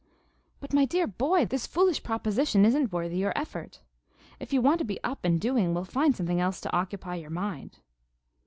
"But, my dear boy! This foolish proposition isn't worthy your effort. If you want to be up and doing we'll find something else to occupy your mind."